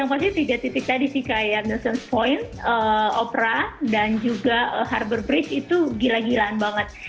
yang pasti tiga titik tadi sih kayak nusan point opera dan juga harbor bridge itu gila gilaan banget